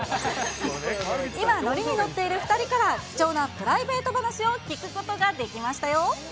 今、乗りに乗っている２人から、貴重なプライベート話を聞くことができましたよ。